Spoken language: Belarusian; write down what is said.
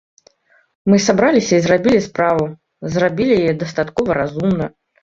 Мы сабраліся і зрабілі справу, зрабілі яе дастаткова разумна.